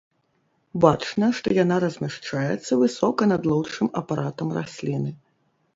Бачна, што яна размяшчаецца высока над лоўчым апаратам расліны.